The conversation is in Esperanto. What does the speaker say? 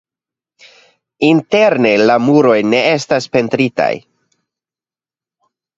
Interne la muroj ne estas pentritaj.